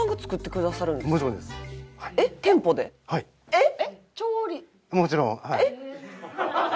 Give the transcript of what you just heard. えっ！